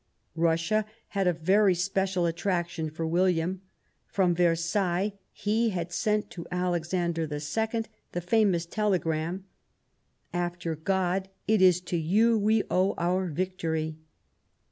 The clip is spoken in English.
Russia had a very special attraction for William ; from Versailles he had sent to Alexander II the famous telegram :" After God, it is to you we owe our victory."